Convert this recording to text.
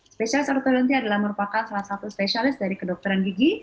spesialis or talenty adalah merupakan salah satu spesialis dari kedokteran gigi